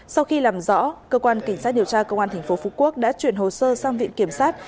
sau khi làm rõ cơ quan kinh sát điều tra công an tp phú quốc đã chuyển hồ sơ sang viện kiểm sát